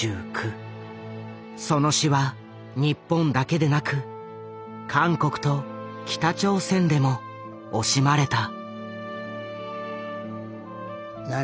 その死は日本だけでなく韓国と北朝鮮でも惜しまれた。